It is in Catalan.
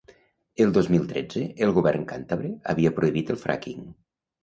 El dos mil tretze, el govern càntabre havia prohibit el ‘fracking’.